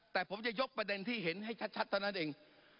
แต่ผมจะยกประเด็นที่เห็นให้ชัดเท่านั้นเอง